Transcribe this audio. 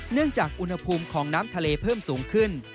เนื่องจากอุณหภูมิของน้ำทะเลเพิ่มสูงขึ้น